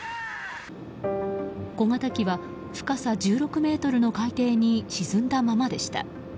小型機は深さ１６ｍの海底に沈んだままでした。